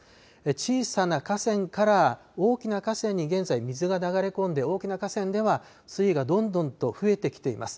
小さな河川から大きな河川に現在、水が流れ込んで大きな河川では水位がどんどんと増えてきています。